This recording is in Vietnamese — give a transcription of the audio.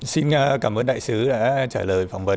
xin cảm ơn đại sứ đã trả lời phỏng vấn của truyền hình nhân dân